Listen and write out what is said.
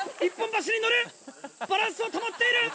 バランスを保っている！